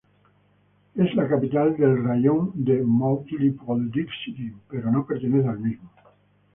Es la capital del raión de Mohyliv-Podilskyi, pero no pertenece al mismo.